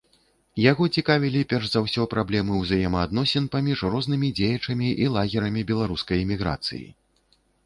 Яго цікавілі перш за ўсё праблемы ўзаемаадносін паміж рознымі дзеячамі і лагерамі беларускай эміграцыі.